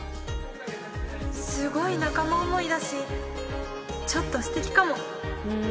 すごい仲間思いだし、ちょっとすてきかも。